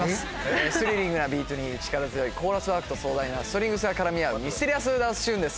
スリリングなビートに力強いコーラスワークと壮大なストリングスが絡み合うミステリアスダンスチューンです